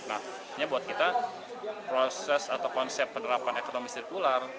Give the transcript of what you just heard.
nah ini buat kita proses atau konsep penerapan ekonomi sirkular